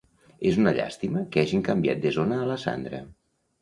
És una llàstima que hagin canviat de zona a la Sandra